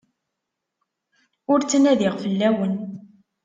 Ur ttnadiɣ fell-awen.